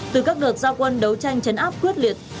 từ các đợt giao quân đấu tranh chấn áp quyết liệt